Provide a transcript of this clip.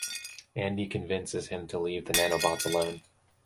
Andy convinces him to leave the nanobots alone.